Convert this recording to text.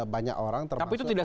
banyak orang tapi itu tidak